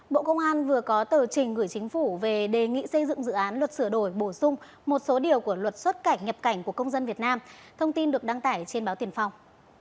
bộ công an vừa có tờ trình gửi chính phủ về đề nghị xây dựng dự án luật sửa đổi bổ sung một số điều của luật xuất cảnh nhập cảnh của công dân việt nam thông tin được đăng tải trên báo tiền phong